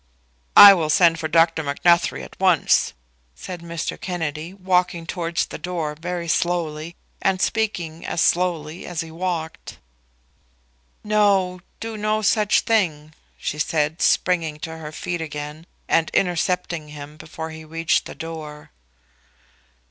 "I will send for Dr. Macnuthrie at once," said Mr. Kennedy, walking towards the door very slowly, and speaking as slowly as he walked. "No; do no such thing," she said, springing to her feet again and intercepting him before he reached the door.